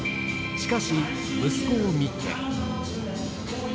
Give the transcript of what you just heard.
しかし、息子を見て。